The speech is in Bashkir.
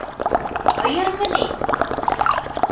— Һыйырмы ни?